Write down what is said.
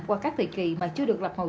qua các thời kỳ mà chưa được lập hồ sơ xử lý